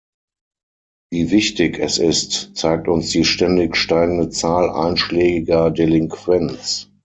Wie wichtig es ist, zeigt uns die ständig steigende Zahl einschlägiger Delinquenz.